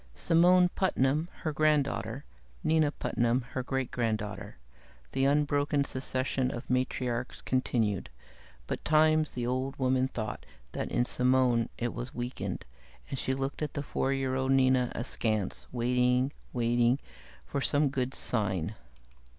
Simone Putnam, her granddaughter; Nina Putnam, her great granddaughter; the unbroken succession of matriarchs continued, but times the old woman thought that in Simone it was weakened, and she looked at the four year old Nina askance, waiting, waiting, for some good sign.